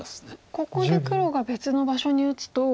ここで黒が別の場所に打つと。